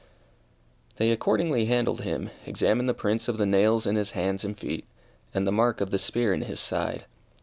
They accordingly handled him, examined the prints of the nails in his hands and feet, and the mark of the spear in his side.